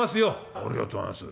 「ありがとうございます。